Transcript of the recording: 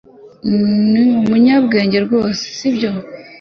Ni umunyabwenge rwose sibyo